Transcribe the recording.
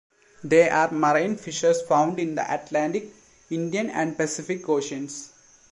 They are marine fishes found in the Atlantic, Indian and Pacific Oceans.